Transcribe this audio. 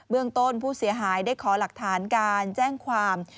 เรื่องต้นผู้เสียหายได้ขอหลักฐานการแจ้งความ